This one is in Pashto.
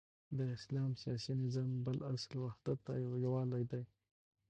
د اسلام سیاسی نظام بل اصل وحدت او یوالی دی،